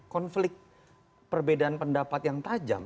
konflik perbedaan pendapat yang tajam